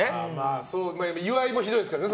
岩井もひどいですからね。